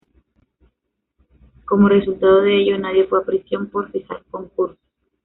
Como resultado de ello, nadie fue a prisión por fijar concursos.